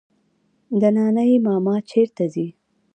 نانی ماما چيري ځې؟